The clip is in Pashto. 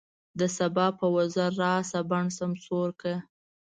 د سبا په وزر راشه، بڼ سمسور کړه